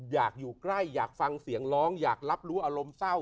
อยากอยู่ใกล้อยากฟังเสียงร้องอยากรับรู้อารมณ์เศร้า